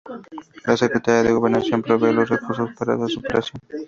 La Secretaria de Gobernación provee los recursos para su operación.